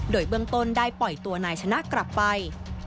โดยเบื้องต้นได้ปล่อยตัวนายชนะกลับไป